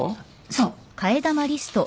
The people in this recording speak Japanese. そう。